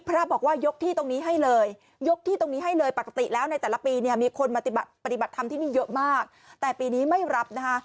เราเจอมากแต่ปีนี้ไม่รับนะฮะ